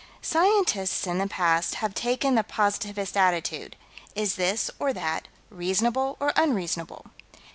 Scientists in the past have taken the positivist attitude is this or that reasonable or unreasonable?